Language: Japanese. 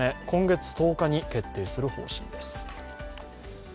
今月１０日に決定する方針です。